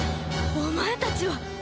お前たちは！